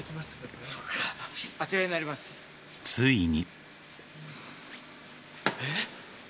ついに。